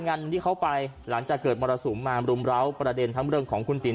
งานที่เขาไปหลังจากเกิดมรสุมมารุมร้าวประเด็นทั้งเรื่องของคุณติ๋